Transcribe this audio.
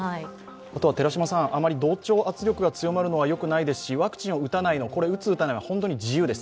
あまり同調圧力が強まるのはよくないですし、ワクチンをこれ、打つ、打たないは本当に自由です。